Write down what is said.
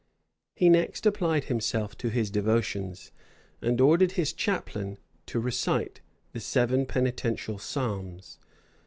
[*] He next applied himself to his devotions, and ordered his chaplain to recite the seven penitential psalms.